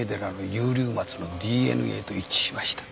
遊龍松のＤＮＡと一致しました。